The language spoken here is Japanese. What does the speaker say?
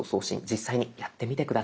実際にやってみて下さい。